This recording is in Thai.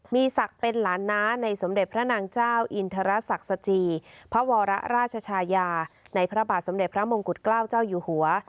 มีศักดิ์เป็นหลานน้าในสมเด็จพระนางเจ้าอินทรศักดิ์สจีพระวรราชชายาในพระบาทสมเด็จพระมงกุฎเกล้าเจ้าอยู่หัว